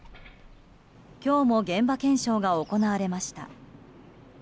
今日も現場検証が行われました。